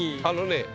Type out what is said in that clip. あのね。